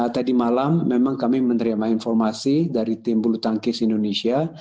tadi malam memang kami menerima informasi dari tim bulu tangkis indonesia